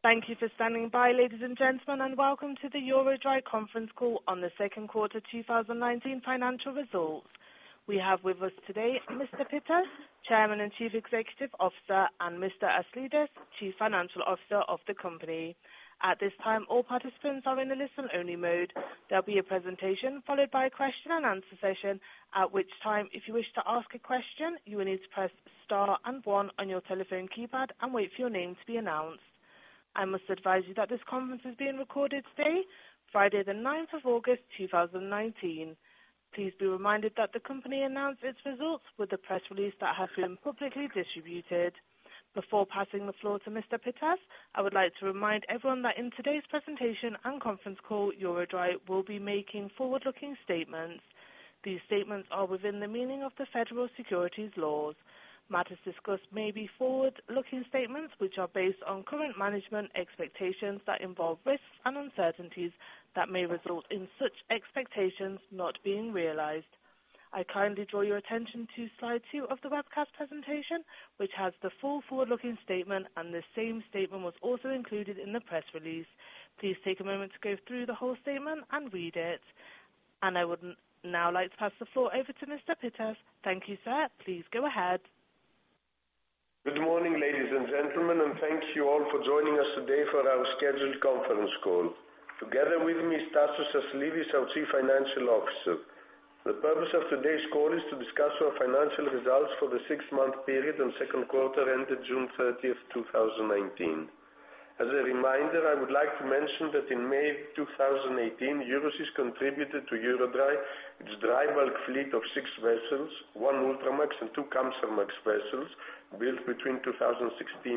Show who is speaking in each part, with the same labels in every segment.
Speaker 1: Thank you for standing by, ladies and gentlemen, welcome to the EuroDry conference call on the second quarter 2019 financial results. We have with us today Mr. Pittas, Chairman and Chief Executive Officer, and Mr. Aslidis, Chief Financial Officer of the company. At this time, all participants are in a listen-only mode. There'll be a presentation followed by a question and answer session, at which time if you wish to ask a question, you will need to press Star and one on your telephone keypad and wait for your name to be announced. I must advise you that this conference is being recorded today, Friday the 9th of August 2019. Please be reminded that the company announced its results with the press release that has been publicly distributed. Before passing the floor to Mr. Pittas, I would like to remind everyone that in today's presentation and conference call, EuroDry will be making forward-looking statements. These statements are within the meaning of the Federal Securities Laws. Matters discussed may be forward-looking statements which are based on current management expectations that involve risks and uncertainties that may result in such expectations not being realized. I kindly draw your attention to slide two of the webcast presentation, which has the full forward-looking statement, and the same statement was also included in the press release. Please take a moment to go through the whole statement and read it. I would now like to pass the floor over to Mr. Pittas. Thank you, sir. Please go ahead.
Speaker 2: Good morning, ladies and gentlemen, and thank you all for joining us today for our scheduled conference call. Together with me is Tasos Aslidis, our Chief Financial Officer. The purpose of today's call is to discuss our financial results for the six-month period and second quarter ended June 30th, 2019. As a reminder, I would like to mention that in May 2018, Euroseas contributed to EuroDry, its dry bulk fleet of six vessels, one Ultramax and two Kamsarmax vessels built between 2016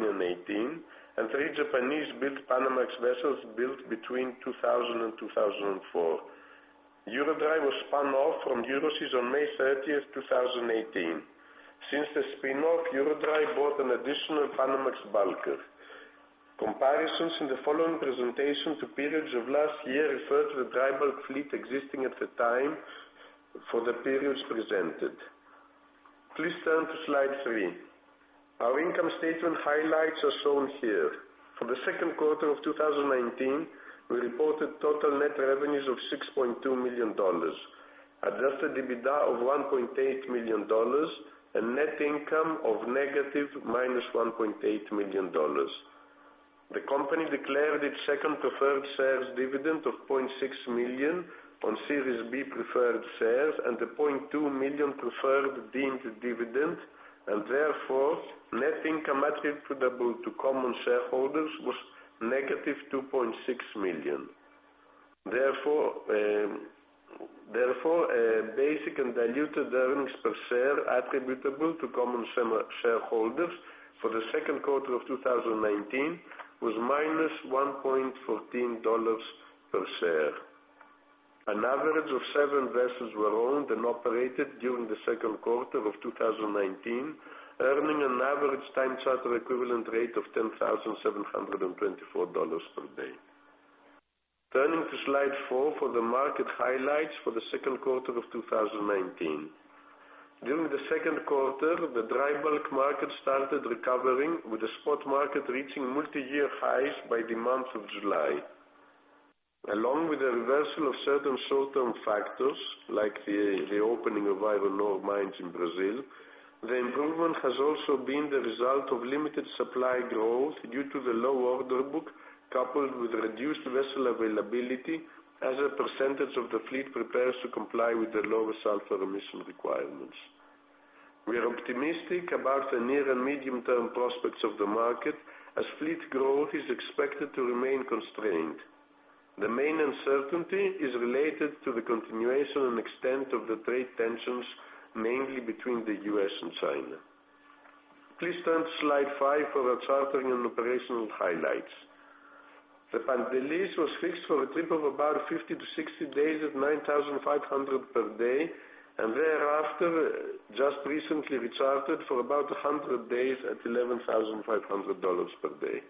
Speaker 2: and 2018, and three Japanese-built Panamax vessels built between 2000 and 2004. EuroDry was spun off from Euroseas on May 30th, 2018. Since the spin-off, EuroDry bought an additional Panamax bulker. Comparisons in the following presentation to periods of last year refer to the dry bulk fleet existing at the time for the periods presented. Please turn to slide three. Our income statement highlights are shown here. For the second quarter of 2019, we reported total net revenues of $6.2 million, adjusted EBITDA of $1.8 million, and net income of negative -$1.8 million. The company declared its second preferred shares dividend of $0.6 million on Series B preferred shares and a $0.2 million preferred deemed dividend, and therefore, net income attributable to common shareholders was negative $2.6 million. Basic and diluted earnings per share attributable to common shareholders for the second quarter of 2019 was -$1.14 per share. An average of seven vessels were owned and operated during the second quarter of 2019, earning an average time charter equivalent rate of $10,724 per day. Turning to slide four for the market highlights for the second quarter of 2019. During the second quarter, the dry bulk market started recovering with the spot market reaching multi-year highs by the month of July. Along with the reversal of certain short-term factors like the opening of iron ore mines in Brazil, the improvement has also been the result of limited supply growth due to the low order book, coupled with reduced vessel availability as a percentage of the fleet prepares to comply with the low sulfur emission requirements. We are optimistic about the near and medium-term prospects of the market as fleet growth is expected to remain constrained. The main uncertainty is related to the continuation and extent of the trade tensions, mainly between the U.S. and China. Please turn to slide five for our chartering and operational highlights. The Pantelis was fixed for a trip of about 50 to 60 days at $9,500 per day, and thereafter, just recently rechartered for about 100 days at $11,500 per day.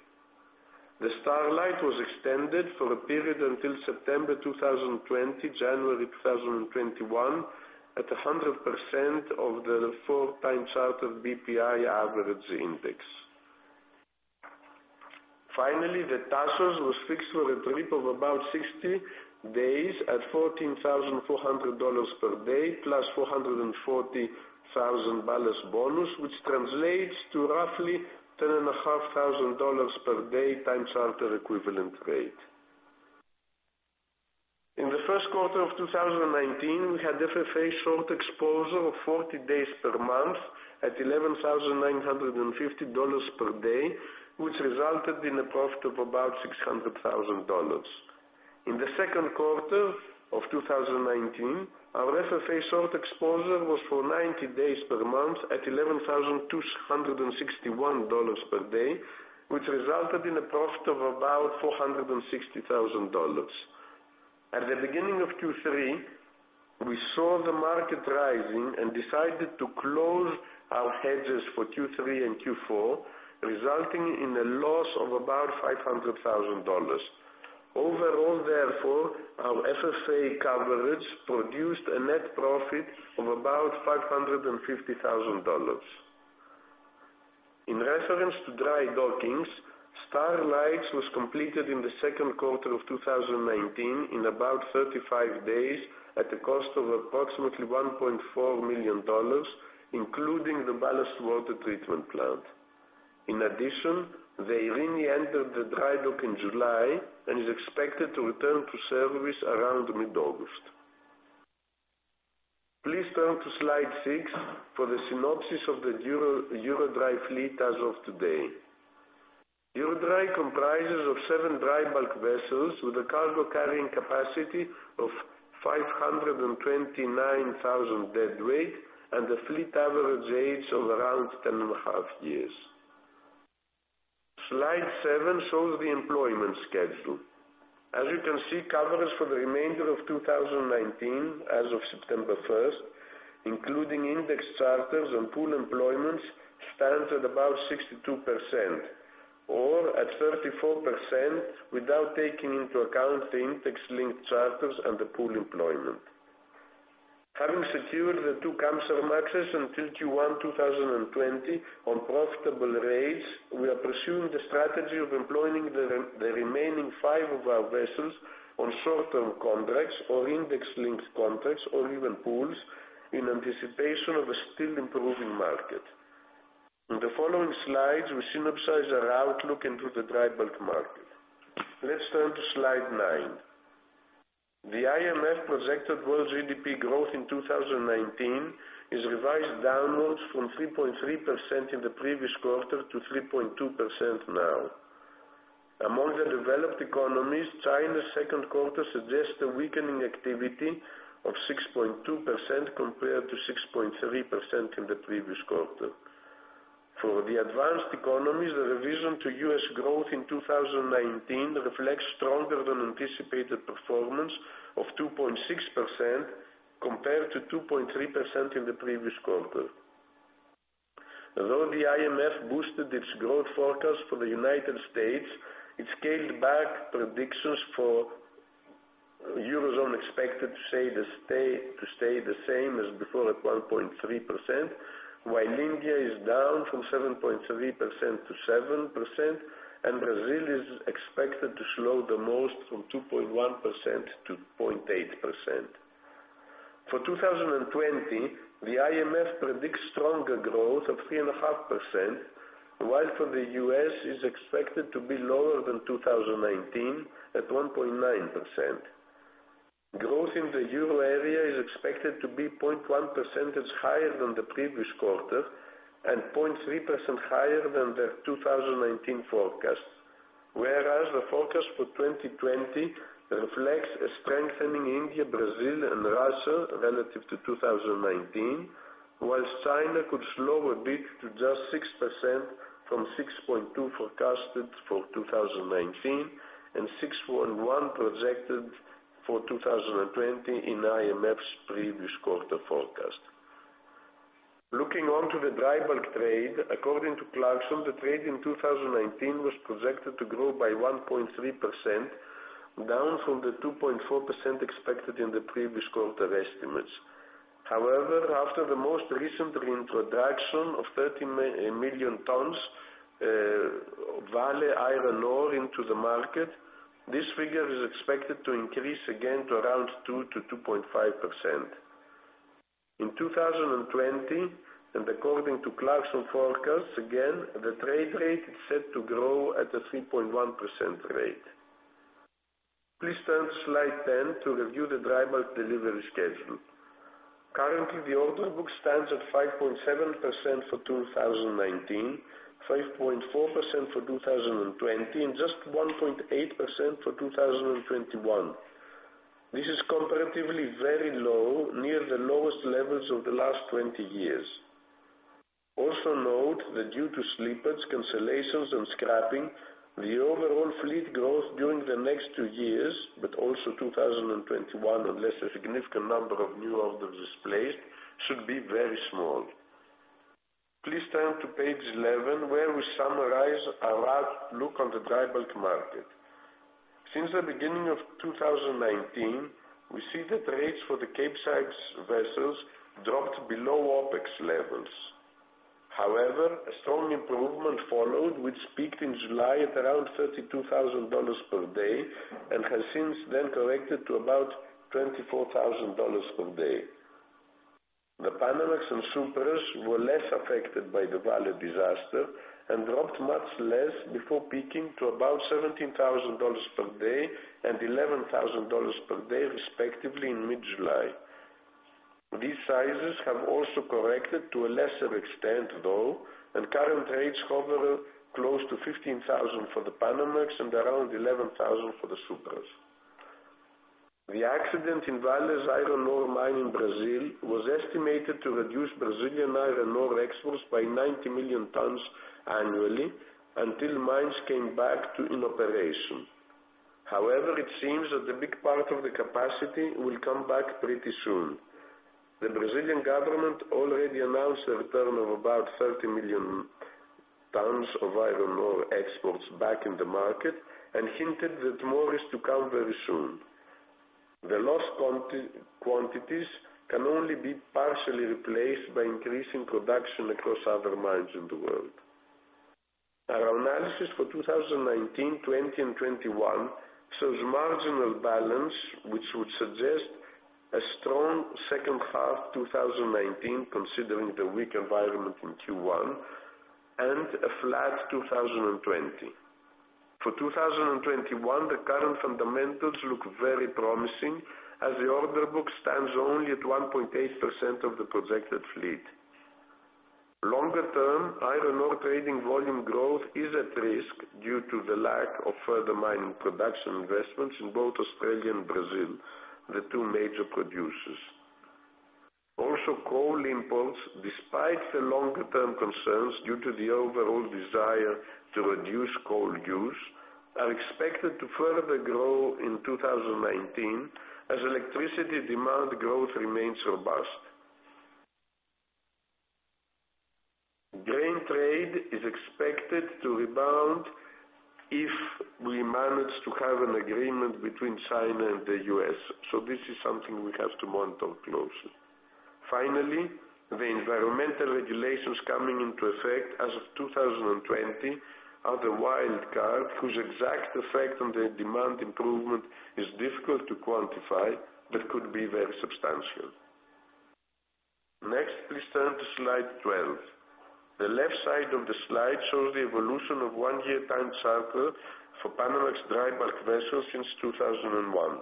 Speaker 2: The Starlight was extended for a period until September 2020, January 2021 at 100% of the four-time charter BPI average index. Finally, the Tasos was fixed for a trip of about 60 days at $14,400 per day plus $440,000 bonus, which translates to roughly $10,500 per day time charter equivalent rate. In the first quarter of 2019, we had FFA short exposure of 40 days per month at $11,950 per day, which resulted in a profit of about $600,000. In the second quarter of 2019, our FFA short exposure was for 90 days per month at $11,261 per day, which resulted in a profit of about $460,000. At the beginning of Q3, we saw the market rising and decided to close our hedges for Q3 and Q4, resulting in a loss of about $500,000. Overall, therefore, our FFA coverage produced a net profit of about $550,000. In reference to dry dockings, Starlight's was completed in the second quarter of 2019 in about 35 days, at a cost of approximately $1.4 million, including the ballast water treatment plant. In addition, the Eirini entered the dry dock in July and is expected to return to service around mid-August. Please turn to Slide six for the synopsis of the EuroDry fleet as of today. EuroDry comprises of seven dry bulk vessels with a cargo carrying capacity of 529,000 deadweight and a fleet average age of around 10 and a half years. Slide seven shows the employment schedule. As you can see, coverage for the remainder of 2019, as of September 1st, including index charters and pool employments, stands at about 62%, or at 34% without taking into account the index-linked charters and the pool employment. Having secured the two Kamsarmaxes until Q1 2020 on profitable rates, we are pursuing the strategy of employing the remaining five of our vessels on short-term contracts or index-linked contracts, or even pools, in anticipation of a still-improving market. In the following slides, we synopsize our outlook into the dry bulk market. Let's turn to slide nine. The IMF projected world GDP growth in 2019 is revised downwards from 3.3% in the previous quarter to 3.2% now. Among the developed economies, China's second quarter suggests a weakening activity of 6.2% compared to 6.3% in the previous quarter. For the advanced economies, the revision to U.S. growth in 2019 reflects stronger than anticipated performance of 2.6% compared to 2.3% in the previous quarter. Although the IMF boosted its growth forecast for the United States, it scaled back predictions for Eurozone, expected to stay the same as before at 1.3%, while India is down from 7.3% to 7%, and Brazil is expected to slow the most from 2.1% to 0.8%. For 2020, the IMF predicts stronger growth of 3.5%, while for the U.S., it's expected to be lower than 2019 at 1.9%. Growth in the Euro area is expected to be 0.1 percentage higher than the previous quarter and 0.3% higher than their 2019 forecast. Whereas the forecast for 2020 reflects a strengthening India, Brazil, and Russia relative to 2019, whilst China could slow a bit to just 6% from 6.2% forecasted for 2019 and 6.1% projected for 2020 in IMF's previous quarter forecast. Looking onto the dry bulk trade, according to Clarksons, the trade in 2019 was projected to grow by 1.3%, down from the 2.4% expected in the previous quarter estimates. After the most recent reintroduction of 30 million tons Vale iron ore into the market, this figure is expected to increase again to around 2%-2.5%. In 2020, according to Clarksons forecasts, again, the trade rate is set to grow at a 3.1% rate. Please turn to slide 10 to review the dry bulk delivery schedule. Currently, the order book stands at 5.7% for 2019, 5.4% for 2020, and just 1.8% for 2021. This is comparatively very low, near the lowest levels of the last 20 years. Note that due to slippage, cancellations, and scrapping, the overall fleet growth during the next two years, but also 2021, unless a significant number of new orders is placed, should be very small. Please turn to page 11 where we summarize our look on the dry bulk market. Since the beginning of 2019, we see that rates for the Capesize vessels dropped below OpEx levels. A strong improvement followed, which peaked in July at around $32,000 per day and has since then corrected to about $24,000 per day. The Panamax and Supramax were less affected by the Vale disaster and dropped much less before peaking to about $17,000 per day and $11,000 per day, respectively, in mid-July. These sizes have also corrected to a lesser extent, though, and current rates hover close to $15,000 for the Panamax and around $11,000 for the Supramax. The accident in Vale's iron ore mine in Brazil was estimated to reduce Brazilian iron ore exports by 90 million tons annually until mines came back in operation. It seems that a big part of the capacity will come back pretty soon. The Brazilian government already announced a return of about 30 million tons of iron ore exports back in the market and hinted that more is to come very soon. The lost quantities can only be partially replaced by increasing production across other mines in the world. Our analysis for 2019, 2020 and 2021 shows marginal balance, which would suggest a strong second half 2019, considering the weak environment in Q1, and a flat 2020. For 2021, the current fundamentals look very promising as the order book stands only at 1.8% of the projected fleet. Coal imports, despite the longer-term concerns due to the overall desire to reduce coal use, are expected to further grow in 2019 as electricity demand growth remains robust. Grain trade is expected to rebound if we manage to have an agreement between China and the U.S., this is something we have to monitor closely. The environmental regulations coming into effect as of 2020 are the wild card whose exact effect on the demand improvement is difficult to quantify, but could be very substantial. Please turn to slide 12. The left side of the slide shows the evolution of one-year time charter for Panamax dry bulk vessels since 2001.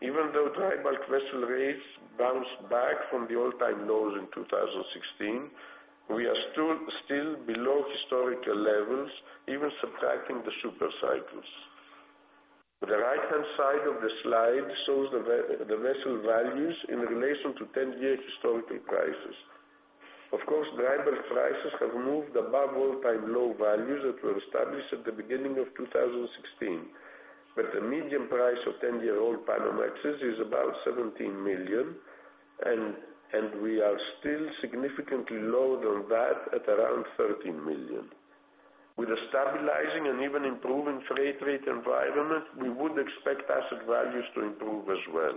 Speaker 2: Even though dry bulk vessel rates bounced back from the all-time lows in 2016, we are still below historical levels, even subtracting the super cycles. The right-hand side of the slide shows the vessel values in relation to 10-year historical prices. Of course, dry bulk prices have moved above all-time low values that were established at the beginning of 2016, but the medium price of 10-year-old Panamax is about $17 million, and we are still significantly lower than that at around $13 million. With a stabilizing and even improving freight rate environment, we would expect asset values to improve as well.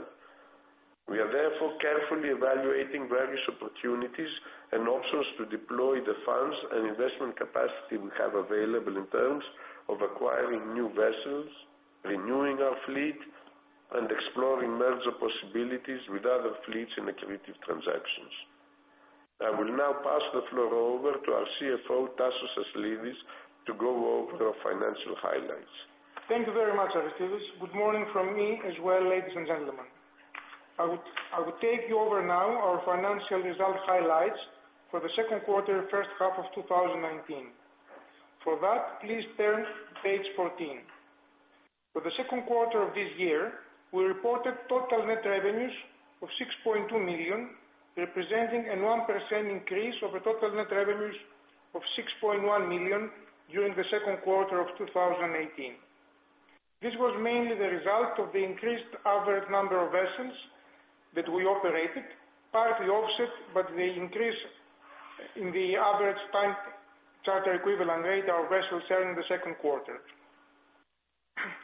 Speaker 2: We are therefore carefully evaluating various opportunities and options to deploy the funds and investment capacity we have available in terms of acquiring new vessels, renewing our fleet, and exploring merger possibilities with other fleets in accretive transactions. I will now pass the floor over to our CFO, Tasos Aslidis, to go over our financial highlights.
Speaker 3: Thank you very much, Aristides. Good morning from me as well, ladies and gentlemen. I would take you over now our financial result highlights for the second quarter, first half of 2019. For that, please turn to page 14. For the second quarter of this year, we reported total net revenues of $6.2 million, representing a 1% increase over total net revenues of $6.1 million during the second quarter of 2018. This was mainly the result of the increased average number of vessels that we operated, partly offset by the increase in the average time charter equivalent rate our vessels had in the second quarter.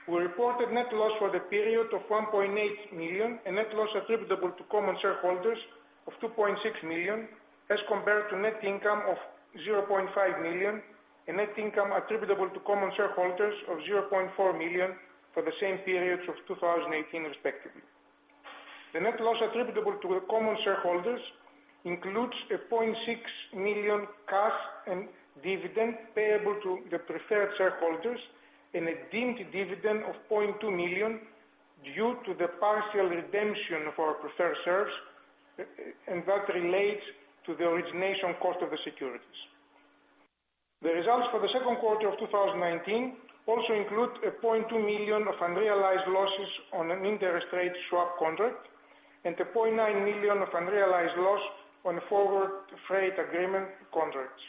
Speaker 3: We reported net loss for the period of $1.8 million and net loss attributable to common shareholders of $2.6 million as compared to net income of $0.5 million, and net income attributable to common shareholders of $0.4 million for the same periods of 2018 respectively. The net loss attributable to common shareholders includes a $0.6 million cash and dividend payable to the preferred shareholders and a deemed dividend of $0.2 million due to the partial redemption of our preferred shares, and that relates to the origination cost of the securities. The results for the second quarter of 2019 also include a $0.2 million of unrealized losses on an interest rate swap contract and a $0.9 million of unrealized loss on forward freight agreement contracts.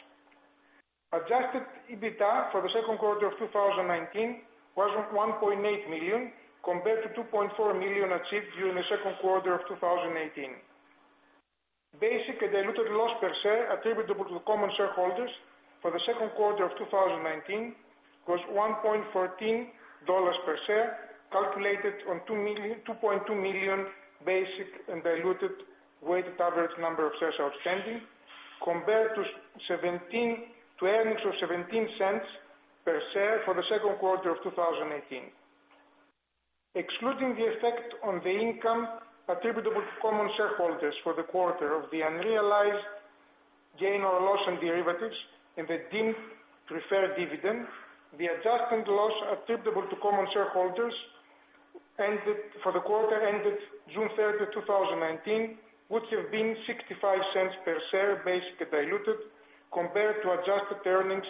Speaker 3: Adjusted EBITDA for the second quarter of 2019 was $1.8 million compared to $2.4 million achieved during the second quarter of 2018. Basic and diluted loss per share attributable to common shareholders for the second quarter of 2019 was $1.14 per share, calculated on $2.2 million basic and diluted weighted average number of shares outstanding, compared to earnings of $0.17 per share for the second quarter of 2018. Excluding the effect on the income attributable to common shareholders for the quarter of the unrealized gain or loss on derivatives and the deemed preferred dividend, the adjusted loss attributable to common shareholders for the quarter ended June 30, 2019, would have been $0.65 per share basic and diluted compared to adjusted earnings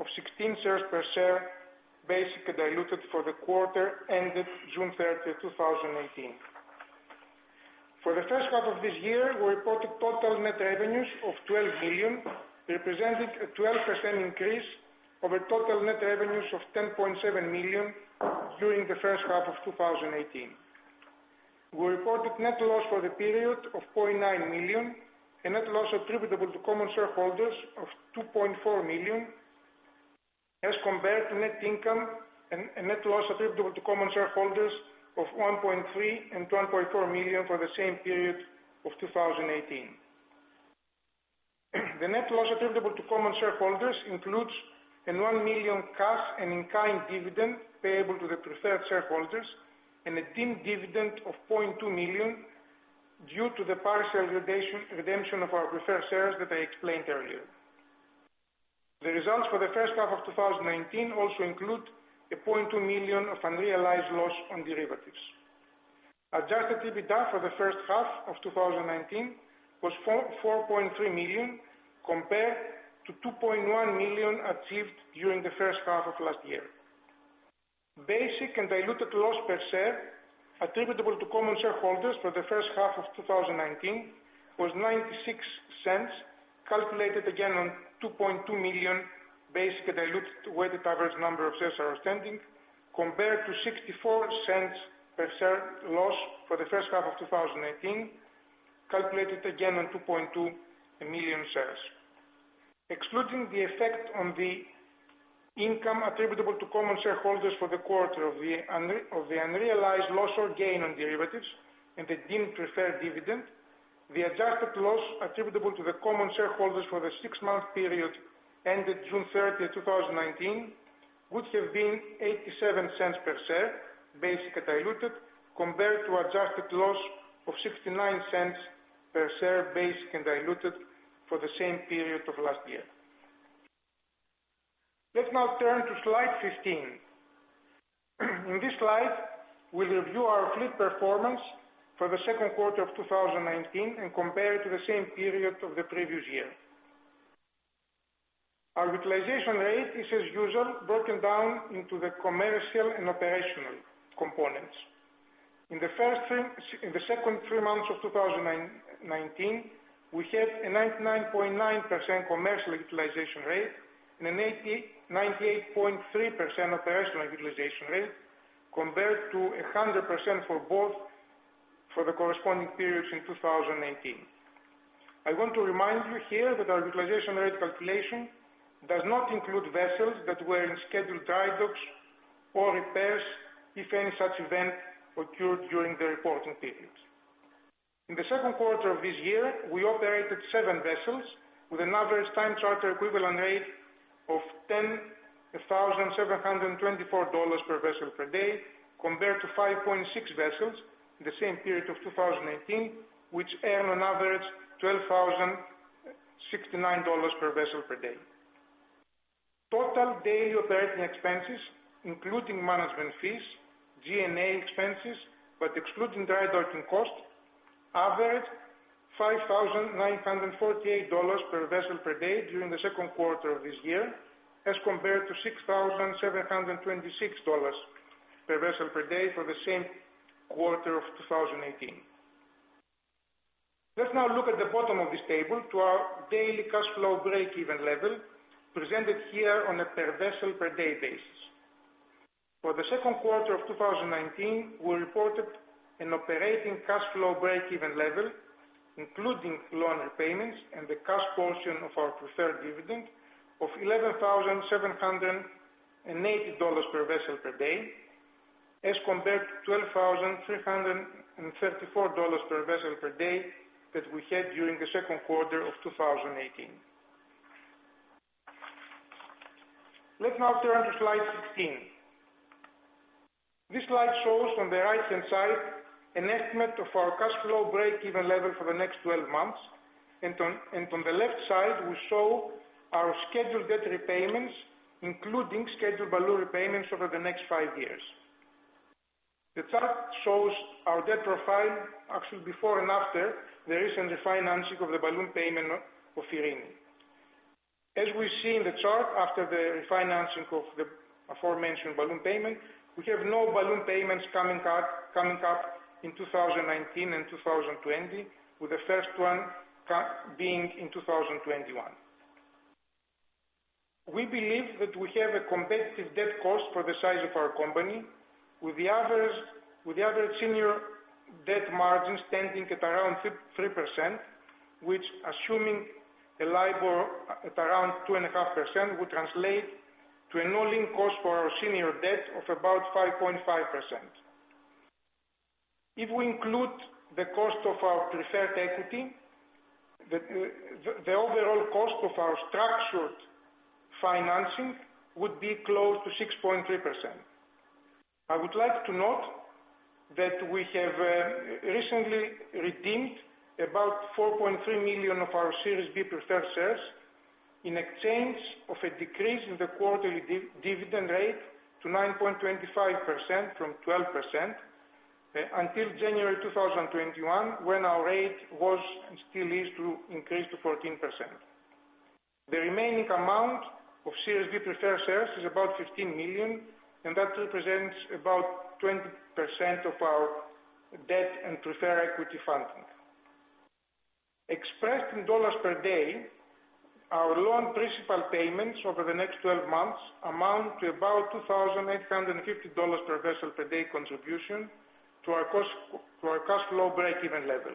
Speaker 3: of $0.16 per share basic and diluted for the quarter ended June 30, 2018. For the first half of this year, we reported total net revenues of $12 million, representing a 12% increase over total net revenues of $10.7 million during the first half of 2018. We reported net loss for the period of $49 million and net loss attributable to common shareholders of $2.4 million as compared to net income and net loss attributable to common shareholders of $1.3 and $2.4 million for the same period of 2018. The net loss attributable to common shareholders includes a $1 million cash and in-kind dividend payable to the preferred shareholders and a deemed dividend of $0.2 million due to the partial redemption of our preferred shares that I explained earlier. The results for the first half of 2019 also include a $0.2 million of unrealized loss on derivatives. Adjusted EBITDA for the first half of 2019 was $4.3 million compared to $2.1 million achieved during the first half of last year. Basic and diluted loss per share attributable to common shareholders for the first half of 2019 was $0.96, calculated again on 2.2 million basic and diluted weighted average number of shares outstanding compared to $0.64 per share loss for the first half of 2018, calculated again on 2.2 million shares. Excluding the effect on the income attributable to common shareholders for the quarter of the unrealized loss or gain on derivatives and the deemed preferred dividend, the adjusted loss attributable to the common shareholders for the six-month period ended June 30th, 2019, would have been $0.87 per share, basic and diluted, compared to adjusted loss of $0.69 per share basic and diluted for the same period of last year. Let's now turn to slide 15. In this slide, we review our fleet performance for the second quarter of 2019 and compare it to the same period of the previous year. Our utilization rate is as usual, broken down into the commercial and operational components. In the second three months of 2019, we had a 99.9% commercial utilization rate and a 98.3% operational utilization rate compared to 100% for both for the corresponding periods in 2019. I want to remind you here that our utilization rate calculation does not include vessels that were in scheduled dry docks or repairs if any such event occurred during the reporting periods. In the second quarter of this year, we operated 7 vessels with an average time charter equivalent rate of $10,724 per vessel per day, compared to 5.6 vessels the same period of 2018, which earned on average $12,069 per vessel per day. Total daily operating expenses, including management fees, G&A expenses, but excluding dry docking cost, averaged $5,948 per vessel per day during the second quarter of this year, as compared to $6,726 per vessel per day for the same quarter of 2018. Let's now look at the bottom of this table to our daily cash flow breakeven level presented here on a per vessel per day basis. For the second quarter of 2019, we reported an operating cash flow breakeven level, including loan repayments and the cash portion of our preferred dividend of $11,780 per vessel per day as compared to $12,334 per vessel per day that we had during the second quarter of 2018. Let's now turn to slide 16. This slide shows on the right-hand side an estimate of our cash flow breakeven level for the next 12 months, and on the left side, we show our scheduled debt repayments, including scheduled balloon repayments over the next five years. The chart shows our debt profile actually before and after the recent refinancing of the balloon payment of Eirini P. As we see in the chart, after the refinancing of the aforementioned balloon payment, we have no balloon payments coming up in 2019 and 2020, with the first one being in 2021. We believe that we have a competitive debt cost for the size of our company with the average senior debt margin standing at around 3%, which assuming a LIBOR at around 2.5% would translate to an all-in cost for our senior debt of about 5.5%. If we include the cost of our preferred equity, the overall cost of our structured financing would be close to 6.3%. I would like to note that we have recently redeemed about $4.3 million of our Series B preferred shares in exchange of a decrease in the quarterly dividend rate to 9.25% from 12% until January 2021, when our rate was and still is to increase to 14%. The remaining amount of Series B preferred shares is about $15 million, and that represents about 20% of our debt and preferred equity funding. Expressed in dollars per day, our loan principal payments over the next 12 months amount to about $2,850 per vessel per day contribution to our cash flow breakeven level.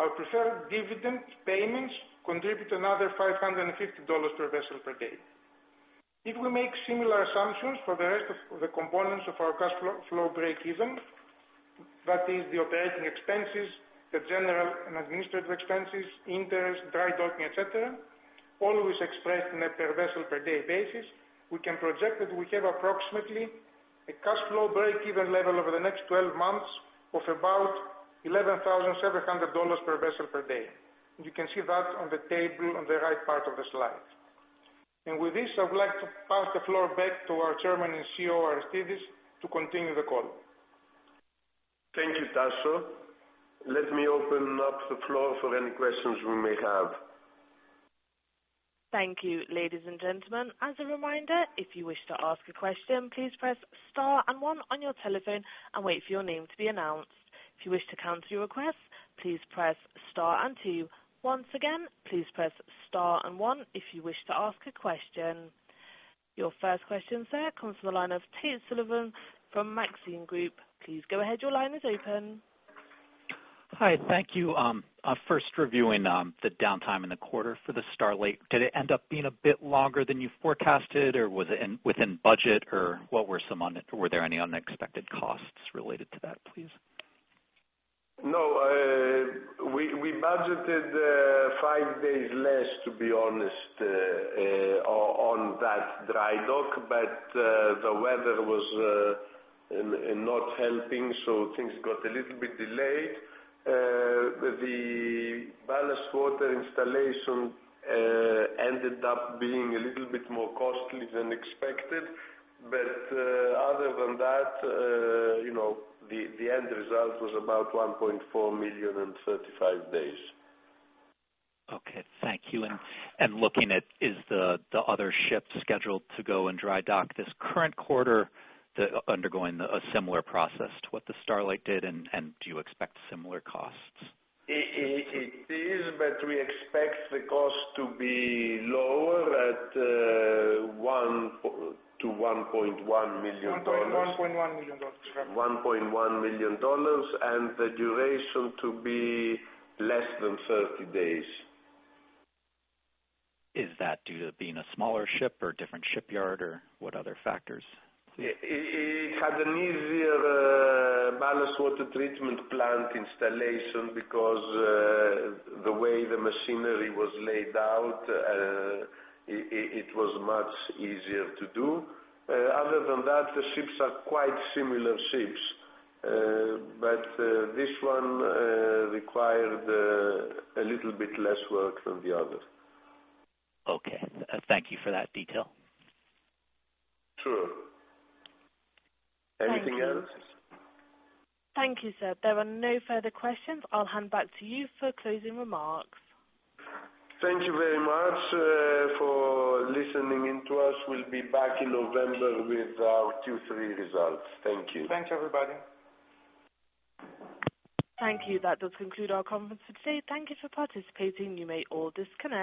Speaker 3: Our preferred dividend payments contribute another $550 per vessel per day. If we make similar assumptions for the rest of the components of our cash flow breakeven, that is the operating expenses, the general and administrative expenses, interest, dry docking, et cetera, always expressed in a per vessel per day basis, we can project that we have approximately a cash flow breakeven level over the next 12 months of about $11,700 per vessel per day. You can see that on the table on the right part of the slide. With this, I would like to pass the floor back to our Chairman and CEO, Aristides, to continue the call.
Speaker 2: Thank you, Tasos. Let me open up the floor for any questions we may have.
Speaker 1: Thank you, ladies and gentlemen. As a reminder, if you wish to ask a question, please press star and one on your telephone and wait for your name to be announced. If you wish to cancel your request, please press star and two. Once again, please press star and one if you wish to ask a question. Your first question, sir, comes from the line of Tate Sullivan from Maxim Group. Please go ahead. Your line is open.
Speaker 4: Hi, thank you. First reviewing the downtime in the quarter for the Starlight. Did it end up being a bit longer than you forecasted, or was it within budget? Were there any unexpected costs related to that, please?
Speaker 2: We budgeted five days less, to be honest, on that dry dock, but the weather was not helping, so things got a little bit delayed. The ballast water installation ended up being a little bit more costly than expected. Other than that, the end result was about $1.4 million and 35 days.
Speaker 4: Okay, thank you. Looking at is the other ship scheduled to go in dry dock this current quarter undergoing a similar process to what the Starlight did, and do you expect similar costs?
Speaker 2: It is. We expect the cost to be lower at $1 million-$1.1 million.
Speaker 3: $1.1 million.
Speaker 2: $1.1 million and the duration to be less than 30 days.
Speaker 4: Is that due to being a smaller ship or different shipyard or what other factors?
Speaker 2: It had an easier ballast water treatment plant installation because the way the machinery was laid out, it was much easier to do. Other than that, the ships are quite similar ships. This one required a little bit less work than the other.
Speaker 4: Okay. Thank you for that detail.
Speaker 2: Sure. Anything else?
Speaker 1: Thank you, sir. There are no further questions. I'll hand back to you for closing remarks.
Speaker 2: Thank you very much for listening in to us. We'll be back in November with our Q3 results. Thank you.
Speaker 3: Thanks, everybody.
Speaker 1: Thank you. That does conclude our conference for today. Thank you for participating. You may all disconnect.